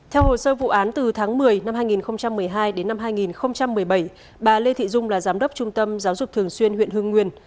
theo hồ sơ vụ án từ tháng một mươi năm hai nghìn một mươi hai đến năm hai nghìn một mươi bảy bà lê thị dung là giám đốc trung tâm giáo dục thường xuyên huyện hương nguyên